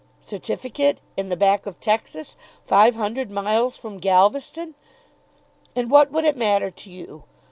"Certificate; in the back of Texas; five hundred miles from Galveston! And what would it matter to you?